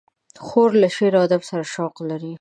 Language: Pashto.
خور له شعر و ادب سره شوق لري.